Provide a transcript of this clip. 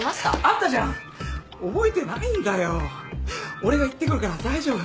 俺が行ってくるから大丈夫。